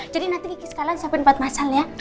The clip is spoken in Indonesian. jadi nanti kiki sekalian siapin empat masal ya